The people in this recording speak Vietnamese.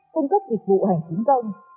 cung cấp dịch vụ hành chính công